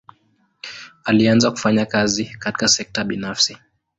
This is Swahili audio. Alianza kufanya kazi katika sekta binafsi.